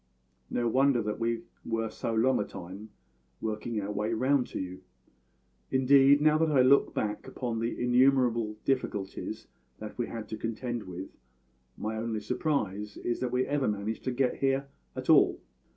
No wonder that we were so long a time working our way round to you. Indeed, now that I look back upon the innumerable difficulties that we had to contend with, my only surprise is that we ever managed to get here at all.